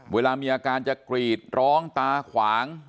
เวลามีอาการจะกรีดร้องตาขวาง